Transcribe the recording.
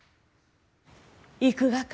行くがか？